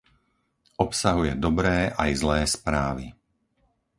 Obsahuje dobré aj zlé správy.